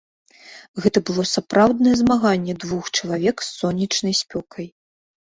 Гэта было сапраўднае змаганне двух чалавек з сонечнай спёкай.